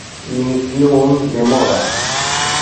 Mi nun memoras.